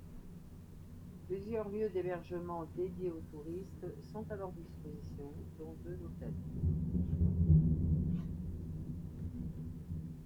Plusieurs lieux d'hébergements, dédiés aux touristes, sont à leur dispositions, dont deux hôtels.